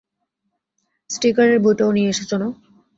স্টিকারের বইটাও নিয়ে এসেছো, না?